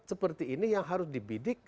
seperti ini yang harus dibidik